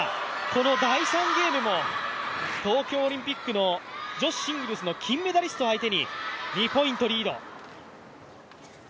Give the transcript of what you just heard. この第３ゲームも東京オリンピックの女子シングルスの金メダリスト相手に２ポイントリード。